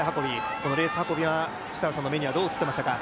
このレース運びは、設楽さんにはどう映っていましたか？